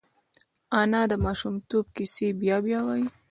انا د ماشومتوب کیسې بیا بیا وايي